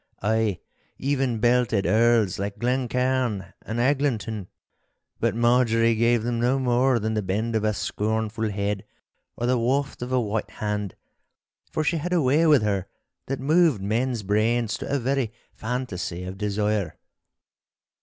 Ay, even belted earls like Glencairn and Eglintoun! But Marjorie gave them no more than the bend of a scornful head or the waft of a white hand, for she had a way with her that moved men's brains to a very fantasy of desire.